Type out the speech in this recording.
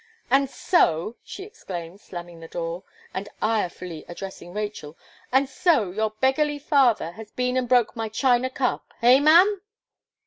"And so," she exclaimed, slamming the door, and irefully addressing Rachel, "and so your beggarly father has been and broke my china cup! Eh, ma'am!"